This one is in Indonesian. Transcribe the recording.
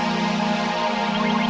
sempen beban jewish woman